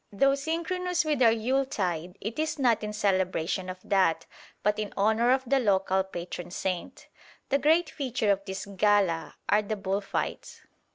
Though synchronous with our Yuletide, it is not in celebration of that, but in honour of the local patron saint. The great feature of this gala are the bullfights.